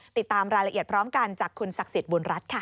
ติดตามรายละเอียดพร้อมกันจากคุณศักดิ์สิทธิบุญรัฐค่ะ